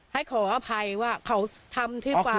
ให้ขออภัยว่าเขาทำที่ประมาณ